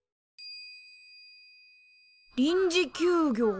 臨時休業。